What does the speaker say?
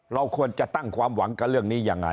เราควรจะตั้งความหวังกับเรื่องนี้ยังไง